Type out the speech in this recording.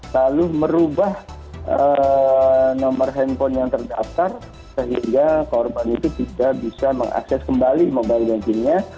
lalu merubah nomor handphone yang terdaftar sehingga korban itu tidak bisa mengakses kembali mobile bankingnya